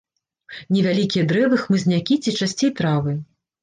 Невялікія дрэвы, хмызнякі ці часцей травы.